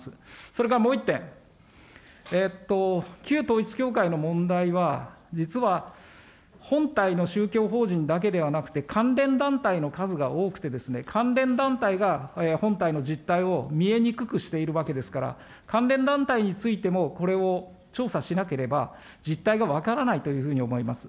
それからもう一点、旧統一教会の問題は、実は本体の宗教法人だけではなくて、関連団体の数が多くて、関連団体が本体の実態を見えにくくしているわけですから、関連団体についても、これを調査しなければ、実態が分からないというふうに思います。